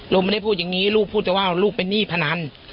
ไม่ได้พูดอย่างนี้ลูกพูดแต่ว่าลูกเป็นหนี้พนัน